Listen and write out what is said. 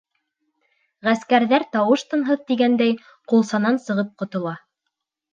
Ғәскәрҙәр тауыш-тынһыҙ тигәндәй, ҡулсанан сығып ҡотола.